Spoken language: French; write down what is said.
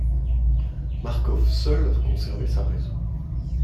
Marcof seul conservait sa raison.